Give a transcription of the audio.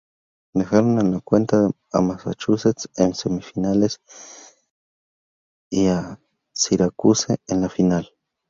Dejaron en la cuneta a Massachusetts en semifinales, y a Syracuse en la final.